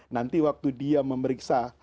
nanti waktu dia memeriksa